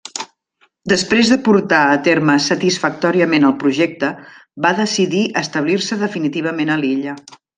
Després de portar a terme satisfactòriament el projecte, va decidir establir-se definitivament a l'illa.